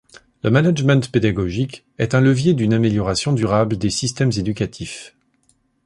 Le management pédagogique est un levier d’une amélioration durable des systèmes éducatifs.